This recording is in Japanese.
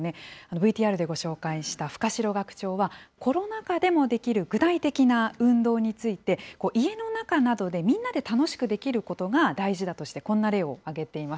ＶＴＲでご紹介した深代学長は、コロナ禍でもできる具体的な運動について、家の中などでみんなで楽しくできることが大事だとしてこんな例を挙げています。